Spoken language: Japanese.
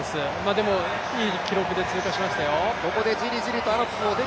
でもいい記録で通過しましたよ。